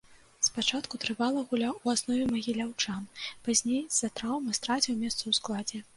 Спачатку трывала гуляў у аснове магіляўчан, пазней з-за траўмы страціў месца ў складзе.